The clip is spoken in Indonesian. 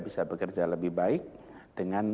bisa bekerja lebih baik dengan